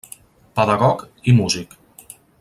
Pedagog i músic.